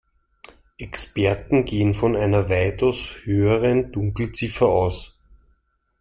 Experten gehen von einer weitaus höheren Dunkelziffer aus.